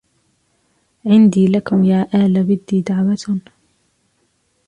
عندي لكم يا آل ودي دعوة